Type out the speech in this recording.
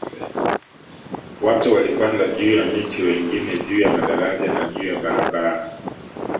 Watu walipanda juu ya miti wengine juu ya madaraja na juu ya barabara